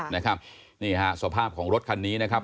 นี่ฮะสภาพของรถคันนี้นะครับ